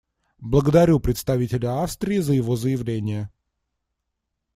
Благодарю представителя Австрии за его заявление.